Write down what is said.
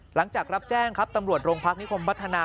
หลังจากรับแจ้งครับตำรวจโรงพักนิคมพัฒนา